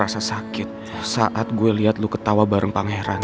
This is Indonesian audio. saat gue liat lo ketawa bareng pangeran